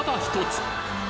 １つ！